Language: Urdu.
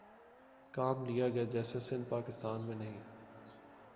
کام لیا گیا جیسے سندھ پاکستان میں نہیں